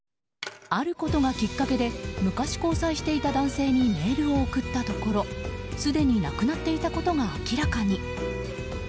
あることがきっかけで昔、交際していた男性にメールを送ったところすでに亡くなっていたことが明らかに。